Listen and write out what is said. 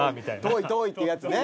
遠い遠いっていうやつね。